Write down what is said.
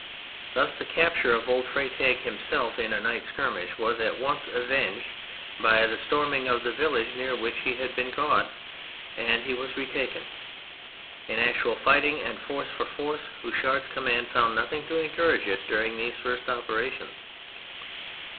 Thus, the capture of old Freytag himself in a night skirmish was at once avenged by the storm ing of the village near which he had been caught, and he was re taken. In actual fighting and force for force, Houchard's com mand found nothing to encourage it during these first operations.